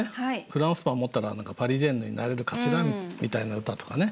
フランスパン持ったら何かパリジェンヌになれるかしらみたいな歌とかね。